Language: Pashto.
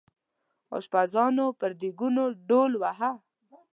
اشپزانو پر دیګونو ډول واهه.